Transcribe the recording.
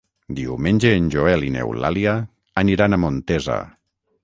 Diumenge en Joel i n'Eulàlia aniran a Montesa.